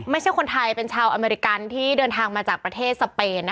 ไม่ใช่คนไทยเป็นชาวอเมริกันที่เดินทางมาจากประเทศสเปน